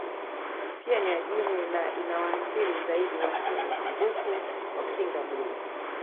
Pia ni adimu na inawaathiri zaidi watu wenye upungufu wa kinga mwili